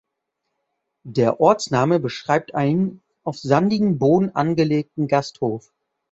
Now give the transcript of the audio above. Der Ortsname beschreibt einen auf sandigem Boden angelegten Gasthof.